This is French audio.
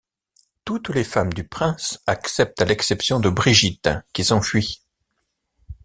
Toutes les femmes du prince acceptent à l'exception de Brigitte qui s'enfuit.